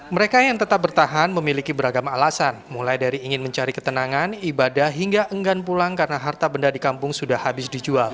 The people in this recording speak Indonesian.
mereka yang tetap bertahan memiliki beragam alasan mulai dari ingin mencari ketenangan ibadah hingga enggan pulang karena harta benda di kampung sudah habis dijual